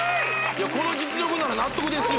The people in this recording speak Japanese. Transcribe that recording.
この実力なら納得ですよ